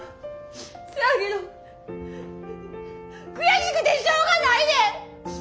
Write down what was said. せやけど悔しくてしょうがないねん！